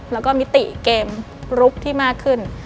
แล้วก็มิติเกมลุกที่มากขึ้น